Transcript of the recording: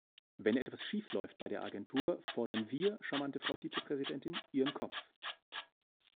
Wenn etwas schief läuft bei der Agentur, fordern wir, charmante Frau Vizepräsidentin, Ihren Kopf!